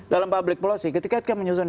dalam public policy ketika kita menyusun